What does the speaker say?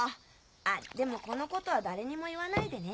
あでもこのことは誰にも言わないでね。